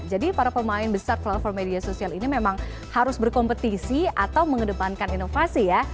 jadi para pemain besar platform media sosial ini memang harus berkompetisi atau mengedepankan inovasi ya